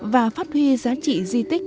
và phát huy giá trị di tích